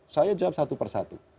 saya jawab satu per satu